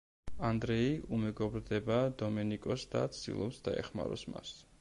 ანდრეი უმეგობრდება დომენიკოს და ცდილობს დაეხმაროს მას.